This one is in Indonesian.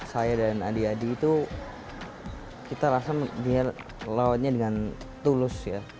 saya dan adik adik itu kita rasa dia merawatnya dengan tulus ya